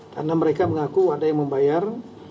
karena mereka mengaku ada yang membayar